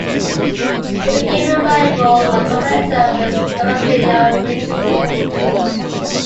He became a rival and competitor with Sebastiano Ricci.